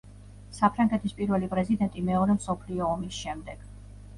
საფრანგეთის პირველი პრეზიდენტი მეორე მსოფლიო ომის შემდეგ.